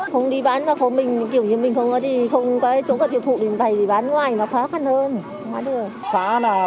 không đi bán mà không mình kiểu như mình không có đi không có chỗ tiêu thụ bày đi bán ngoài